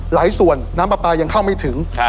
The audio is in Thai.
หลายส่วนน้ำปลาปลายังเข้าไม่ถึง